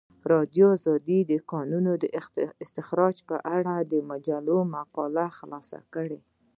ازادي راډیو د د کانونو استخراج په اړه د مجلو مقالو خلاصه کړې.